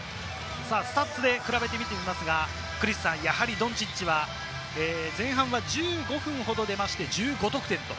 スタッツで比べてみますが、やはりドンチッチは前半は１５分ほどでて１５得点。